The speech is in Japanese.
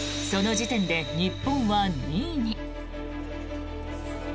その時点で日本は２位に。